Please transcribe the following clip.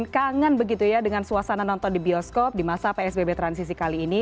kangen begitu ya dengan suasana nonton di bioskop di masa psbb transisi kali ini